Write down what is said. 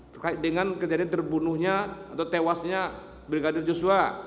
terkait dengan kejadian terbunuhnya atau tewasnya brigadir joshua